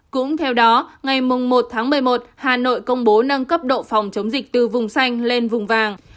cũng theo đó ngày một tháng một mươi một hà nội công bố nâng cấp độ phòng chống dịch từ vùng xanh lên vùng vàng